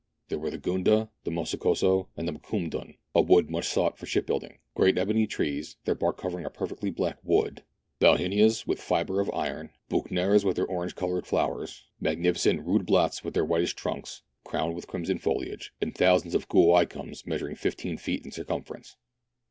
There were the "gounda," the " mosokoso," and the "mokoumdon," a wood much sought for ship building ; great ebony trees, their bark covering a perfectly black wood ;" bauhinias," with fibre of iron ;" buchneras," with their orange coloured flowers ; magnificent " roodeblatts," with whitish trunks, crowned with crimson foliage, and thousands of "guaia cums," measuring fifteen feet in circumference.